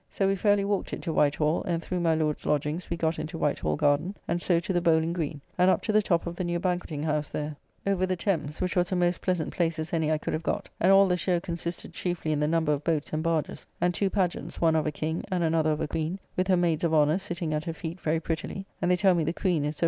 So we fairly walked it to White Hall, and through my Lord's lodgings we got into White Hall garden, and so to the Bowling green, and up to the top of the new Banqueting House there, over the Thames, which was a most pleasant place as any I could have got; and all the show consisted chiefly in the number of boats and barges; and two pageants, one of a King, and another of a Queen, with her Maydes of Honour sitting at her feet very prettily; and they tell me the Queen is Sir.